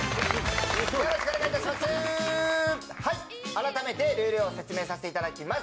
改めてルールを説明させていただきます。